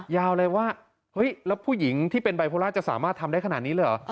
ยาวเลยว่าเฮ้ยแล้วผู้หญิงที่เป็นไบโพล่าจะสามารถทำได้ขนาดนี้เลยเหรอ